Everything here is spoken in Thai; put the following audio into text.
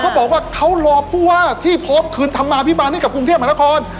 เขาบอกว่าเขารอผู้ว่าที่พร้อมคืนธรรมาภิบาลให้กับกรุงเทพมหานคร